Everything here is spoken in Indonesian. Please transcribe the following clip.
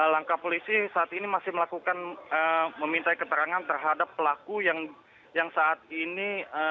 langkah polisi saat ini masih melakukan meminta keterangan terhadap pelaku yang saat ini